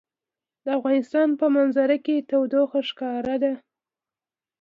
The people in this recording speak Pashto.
د افغانستان په منظره کې تودوخه ښکاره ده.